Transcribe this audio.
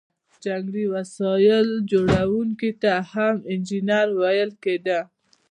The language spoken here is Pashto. جنګي وسایل جوړوونکو ته هم انجینر ویل کیده.